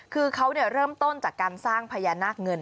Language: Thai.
คือเขาเริ่มต้นจากการสร้างพญานาคเงิน